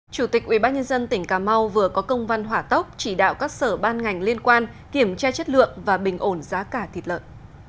chủ tịch ubnd tỉnh cà mau vừa có công văn hỏa tốc chỉ đạo các sở ban ngành liên quan kiểm tra chất lượng và bình ổn giá cả thịt lợn